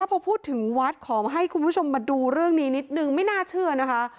พอพูดถึงวัดขอให้คุณผู้ชมมาดูเรื่องนี้นิดนึงไม่น่าเชื่อนะคะ